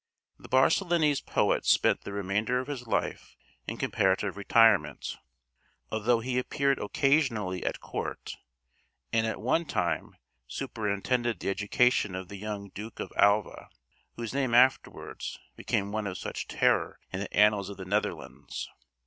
The Barcelonese poet spent the remainder of his life in comparative retirement, although he appeared occasionally at court, and at one time superintended the education of the young Duke of Alva, whose name afterwards became one of such terror in the annals of the Netherlands.